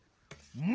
うん！